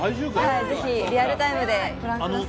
はいぜひリアルタイムでご覧ください